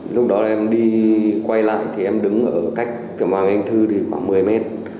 lúc đó em đi quay lại thì em đứng ở cách cửa hoàng anh thư thì khoảng một mươi mét